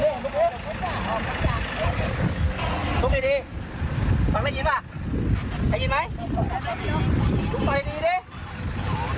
ทุกคนดีดีฟังได้ยินป่ะได้ยินไหมฟังได้ยินดีดี